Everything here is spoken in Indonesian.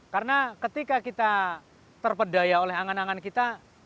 karena ketika kita terpedaya oleh angan angan kita